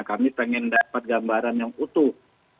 kami pengen dapat gambaran yang utuh